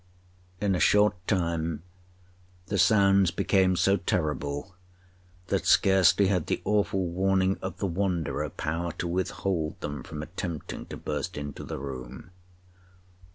In a short time the sounds became so terrible, that scarcely had the awful warning of the Wanderer power to withhold them from attempting to burst into the room.